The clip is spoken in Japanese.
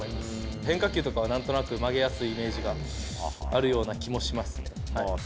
変化球とかはなんとなく曲げやすいイメージがあるような気もしますね。